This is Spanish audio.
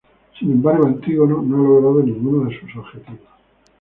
Sin embargo, Antígono no ha logrado ninguno de sus objetivos.